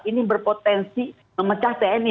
ini berpotensi memecah tni